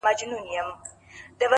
لوړ هدفونه اوږد استقامت غواړي؛